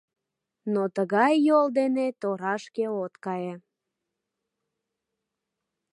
Но тыгай йол дене торашке от кае.